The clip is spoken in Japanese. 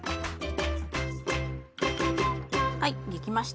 はい出来ました。